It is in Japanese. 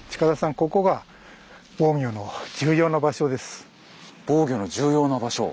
ここが防御の重要な場所？